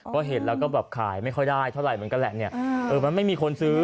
ก็เห็นแล้วก็แบบขายไม่ค่อยได้เท่าไหร่เหมือนกันแหละเนี่ยเออมันไม่มีคนซื้อ